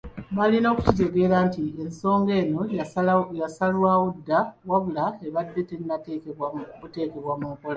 Balina kukitegeera nti ensonga eno yasalwawo dda wabula ebadde tennateekebwa buteekebwa mu nkola.